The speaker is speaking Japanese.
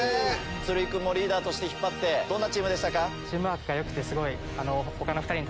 釣井君もリーダーとして引っ張ってどんなチームでしたか？